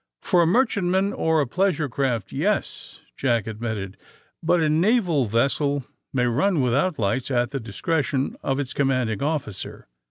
*^For a merchantman or a pleasure craft, yes," Jack admitted. But a naval vessel may run without lights at the discretion of its com manding officer.